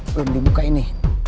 belum di buka ini